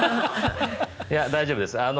いや、大丈夫です。